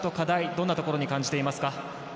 どんなところに感じますか。